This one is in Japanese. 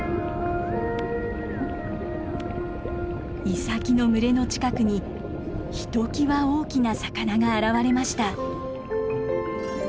イサキの群れの近くにひときわ大きな魚が現れました。